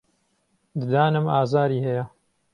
ددانم ئازاری هەیە.